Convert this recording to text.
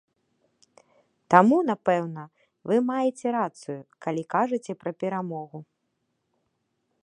Таму, напэўна, вы маеце рацыю, калі кажаце пра перамогу.